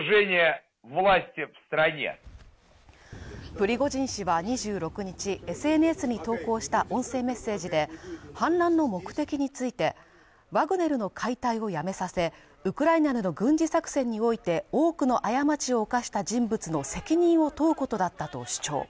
プリゴジン氏は２６日、ＳＮＳに投稿した音声メッセージで反乱の目的についてワグネルの解体をやめさせ、ウクライナでの軍事作戦において、多くの過ちを犯した人物の責任を問うことだったと主張。